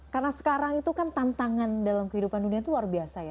karena sekarang itu kan tantangan dalam kehidupan dunia itu luar biasa ya